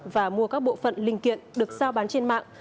và mua các bộ phận linh kiện được sao bán trên mạng